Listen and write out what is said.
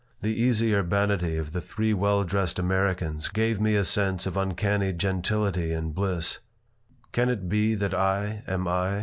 The easy urbanity of the three well dressed Americans gave me a sense of uncanny gentility and bliss "Can it be that I am I?"